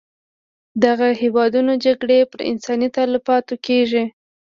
د دغه هېوادونو جګړې پر انساني تلفاتو کېږي.